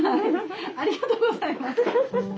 ありがとうございます。